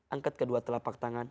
angkat kedua telapak tangan